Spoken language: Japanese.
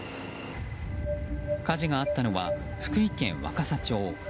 火事があったのは福井県若狭町。